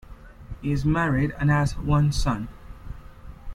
He is married and has one son.